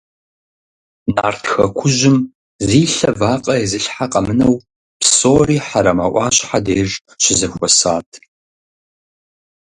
Нарт хэкужьым зи лъэ вакъэ изылъхьэ къэмынэу псори Хьэрэмэ Ӏуащхьэ деж щызэхуэсат.